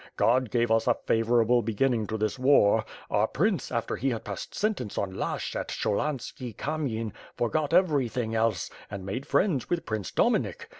God gave us a favorable beginning to this war. Our prince, after he had passed sentence on Lashch at Cholhanski Kamyen, forgot everything else, and made friends with Prince Domi nik.